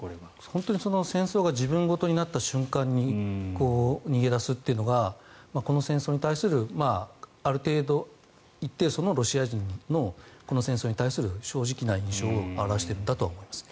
本当に戦争が自分事になった瞬間に逃げ出すっていうのがこの戦争に対するある程度、一定層のロシア人のこの戦争に対する正直な印象を表しているんだと思います。